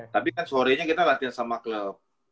tapi kan sorenya kita latihan sama klub